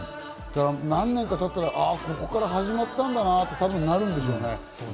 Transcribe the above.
何年か経ったら、ここから始まったんだなっとなるんでしょうね。